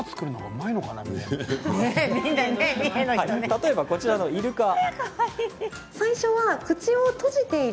例えば、こちらのイルカ。